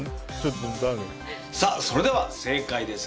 それでは正解です。